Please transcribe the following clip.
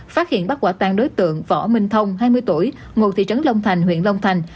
phát hiện bắt quả tang đối tượng võ minh thông hai mươi tuổi ngụ thị trấn long thành huyện long thành